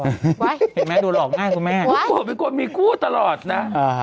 เห็นไหมดูหลอกง่ายครับคุณแม่พุกโกะมีคู่ตลอดนะ